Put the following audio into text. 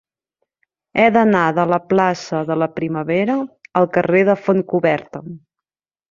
He d'anar de la plaça de la Primavera al carrer de Fontcoberta.